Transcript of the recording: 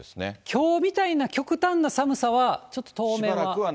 きょうみたいな極端な寒さは、ちょっと当面は。